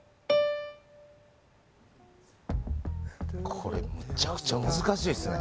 これむちゃくちゃ難しいですね